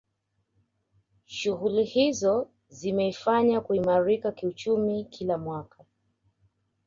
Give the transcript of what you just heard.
Shughuli hizo zimeifanya kuimarika kiuchumi kila mwaka